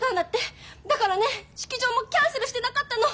だからね式場もキャンセルしてなかったの！